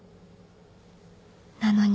なのに